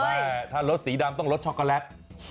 แต่ถ้ารสสีดำต้องรสช็อกโกแลต